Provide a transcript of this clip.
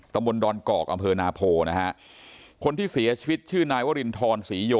ตมนต์ดอลกอกอำเภอนาโพคนที่เสียชีวิตชื่อท่านวรินทรศิโย